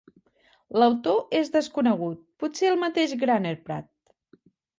L'autor és desconegut, potser el mateix Graner Prat.